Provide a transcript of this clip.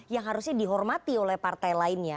yang harusnya dihormati oleh partai lainnya